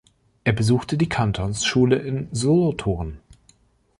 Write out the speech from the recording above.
Er besuchte die Kantonsschule in Solothurn.